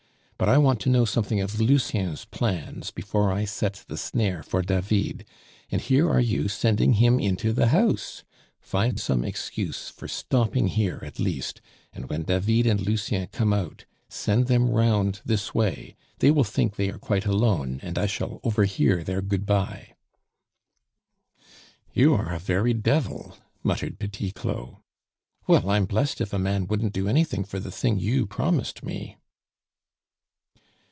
But I want to know something of Lucien's plans before I set the snare for David; and here are you sending him into the house! Find some excuse for stopping here, at least, and when David and Lucien come out, send them round this way; they will think they are quite alone, and I shall overhear their good bye." "You are a very devil," muttered Petit Claud. "Well, I'm blessed if a man wouldn't do anything for the thing you promised me."